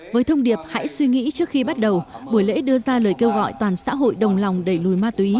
với thông điệp hãy suy nghĩ trước khi bắt đầu buổi lễ đưa ra lời kêu gọi toàn xã hội đồng lòng đẩy lùi ma túy